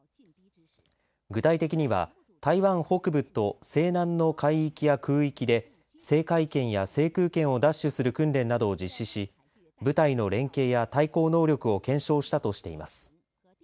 具体的には台湾北部と西南の海域や空域で制海権や制空権を奪取する訓練などを実施し部隊の連携や対抗能力を検証したとしています。